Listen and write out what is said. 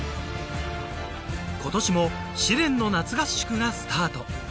今年も試練の夏合宿がスタート